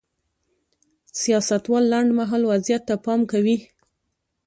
سیاستوال لنډ مهال وضعیت ته پام کوي.